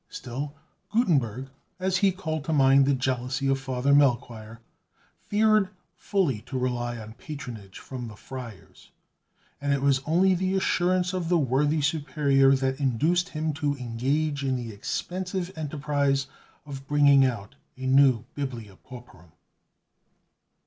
Still Gutenberg, as he called to mind the jealousy of Father Melchoir, feared fully to rely on patronage from the friars; and it was only the assurance of the worthy Superior that induced him to engage in the expensive enterprise of bringing out a new "Biblia Pauperum."